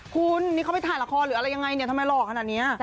คุณนี่เขาไปถ่ายละครหรืออะไรยังไงเนี่ยทำไมหล่อขนาดนี้